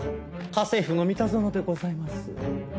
家政夫の三田園でございます。